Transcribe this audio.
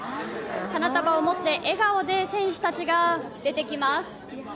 花束を持って笑顔で選手たちが出てきます。